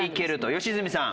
良純さん。